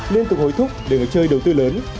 liên tục hối thúc để chơi đầu tư lớn